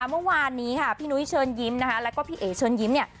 เมื่อวานนี้ค่ะพี่นุ้ยเชิญยิ้มนะคะแล้วก็พี่เอ๋เชิญยิ้มเนี่ย